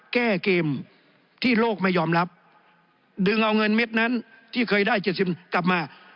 แก้เกมที่โลกไม่ยอมรับดึงเอาเงินเม็ดนั้นที่เคยได้เจ็ดสิบกลับมา